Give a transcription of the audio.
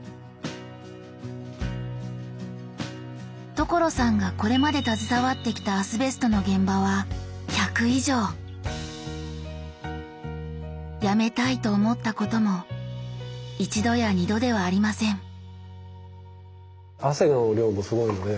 所さんがこれまで携わってきたアスベストの現場は１００以上辞めたいと思ったことも一度や二度ではありません汗の量もすごいので。